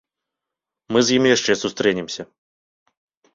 Мы з ім яшчэ сустрэнемся.